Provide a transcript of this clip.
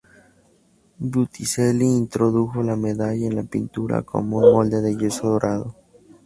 Botticelli introdujo la medalla en la pintura como un molde de yeso dorado.